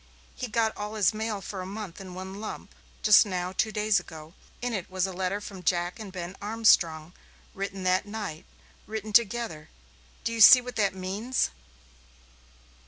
He got all his mail for a month in one lump just now two days ago. In it was a letter from Jack and Ben Armstrong, written that night, written together. Do you see what that means?"